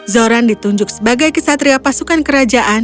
zoran ditunjuk sebagai kisah teriak pasukan kerajaan